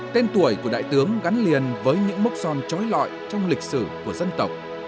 tên tuổi của đại tướng gắn liền với những mốc son trói lọi trong lịch sử của dân tộc